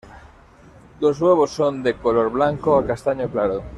Los huevos son de color blanco a castaño claro.